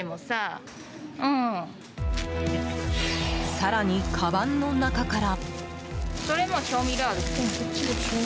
更に、かばんの中から。